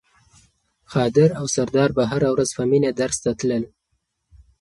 قادر او سردار به هره ورځ په مینه درس ته تلل.